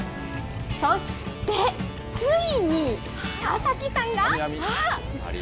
そしてついに、田崎さんが。